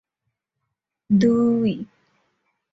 The Torah was brought into the synagogue for reading purposes.